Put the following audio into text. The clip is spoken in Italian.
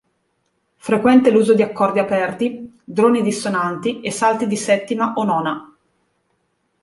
Frequente l'uso di accordi aperti, droni dissonanti e salti di settima o nona.